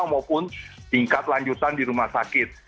maupun tingkat lanjutan di rumah sakit